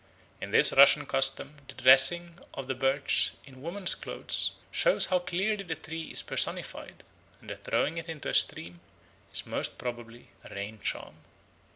In this Russian custom the dressing of the birch in woman's clothes shows how clearly the tree is personified; and the throwing it into a stream is most probably a raincharm.